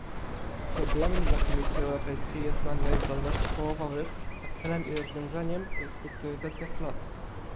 Problemem dla Komisji Europejskiej jest nadmiar zdolności połowowych a celem i rozwiązaniem "restrukturyzacja flot"